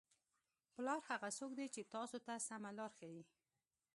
پلار هغه څوک دی چې تاسو ته سمه لاره ښایي.